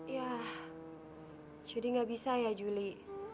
ya jadi gak bisa ya juli